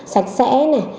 sạch sẽ này